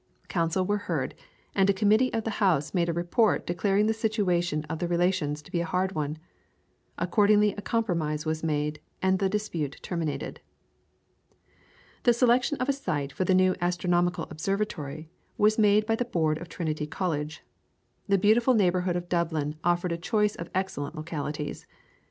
Counsel were heard, and a Committee of the House made a report declaring the situation of the relations to be a hard one. Accordingly, a compromise was made, and the dispute terminated. The selection of a site for the new astronomical Observatory was made by the Board of Trinity College. The beautiful neighbourhood of Dublin offered a choice of excellent localities.